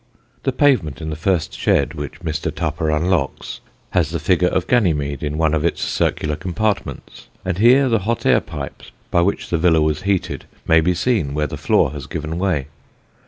The pavement in the first shed which Mr. Tupper unlocks has the figure of Ganymede in one of its circular compartments; and here the hot air pipes, by which the villa was heated, may be seen where the floor has given way.